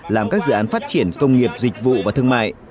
làm các dự án phát triển công nghiệp dịch vụ và thương mại